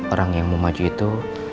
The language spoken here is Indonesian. orang yang mau maju itu